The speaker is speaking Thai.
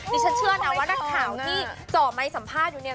ดิฉันเชื่อนะว่านักข่าวที่จ่อไมค์สัมภาษณ์อยู่เนี่ย